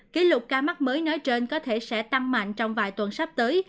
kỷ lục ca mắc mới nói trên có thể sẽ tăng mạnh trong vài tuần sắp tới